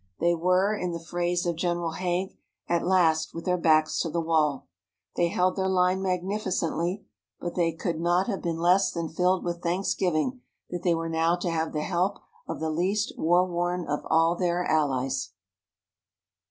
They were, in the phrase of General Haig, at last "with their backs to the wall." They held their line magnificently, but they could not have been less than filled with thanksgiving that they were now to have the help of the least war worn of all their allies.